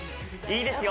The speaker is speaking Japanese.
いいですよ